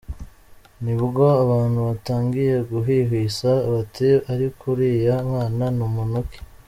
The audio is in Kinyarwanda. Nibwo abantu batangiye guhwihwisa, bati: “ariko uriya mwana ni muntu ki ?.